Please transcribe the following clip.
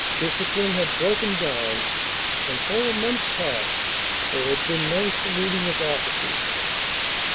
Discipline had broken down and for a month past there had been no saluting of officers.